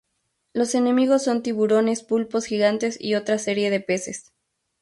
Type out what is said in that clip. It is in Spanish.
Los enemigos son tiburones, pulpos gigantes y otra serie de peces.